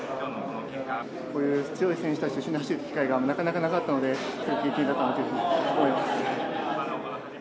こういう強い選手たちと一緒に走る機会がなかなかなかったのでいい経験だったなと思います。